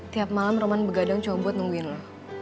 tiap malam roman begadang coba buat nungguin lo